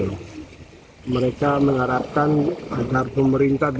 harga pemerintah bisa mencari atau menempatkan kami di pulau tagu landang ini saja